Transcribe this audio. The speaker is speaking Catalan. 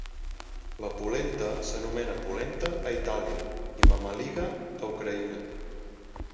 La polenta s'anomena "polenta" a Itàlia i "mamalyga" a Ucraïna.